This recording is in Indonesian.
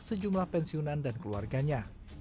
sejumlah pensiunan dan keluarganya